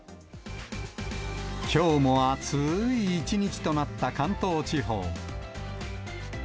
きょうも暑ーい一日となった関東地方。